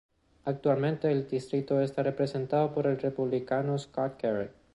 Actualmente el distrito está representado por el Republicano Scott Garrett.